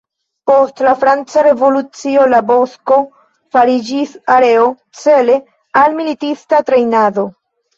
Post la franca revolucio, la bosko fariĝis areo cele al militista trejnado.